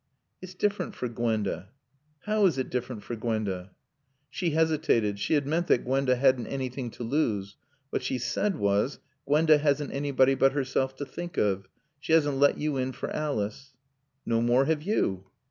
"It's different for Gwenda." "How is it different for Gwenda?" She hesitated. She had meant that Gwenda hadn't anything to lose. What she said was, "Gwenda hasn't anybody but herself to think of. She hasn't let you in for Alice." "No more have you."